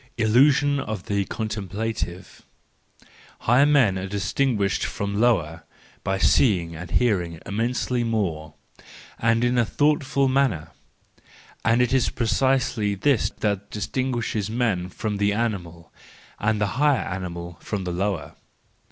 Illusion of the Contemplative .—Higher men are distinguished from lower, by seeing and hearing immensely more, and in a thoughtful manner—and it is precisely this that distinguishes man from the animal, and the higher animal from the lower.